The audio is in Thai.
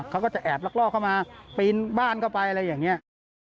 เขาก็จะแอบลักลอกเข้ามาปีนบ้านเข้าไปอะไรอย่างนี้